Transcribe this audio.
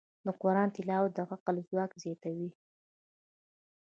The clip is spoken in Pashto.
د قرآن تلاوت د عقل ځواک زیاتوي.